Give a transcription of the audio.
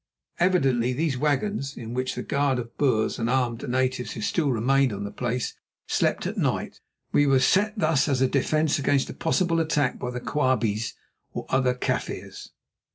Evidently these wagons, in which the guard of Boers and armed natives who still remained on the place slept at night, were set thus as a defence against a possible attack by the Quabies or other Kaffirs.